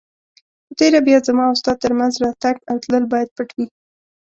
په تېره بیا زما او ستا تر مینځ راتګ او تلل باید پټ وي.